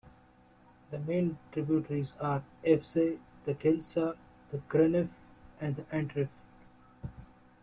The main tributaries are the Efze, the Gilsa, the Grenff and the Antrift.